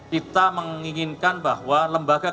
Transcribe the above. kita menginginkan bahwa lembaga